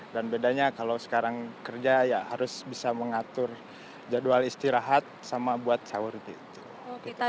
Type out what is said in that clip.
dan bedanya kalau sekarang kerja ya harus bisa mengatur jadwal istirahat sama buat sahur gitu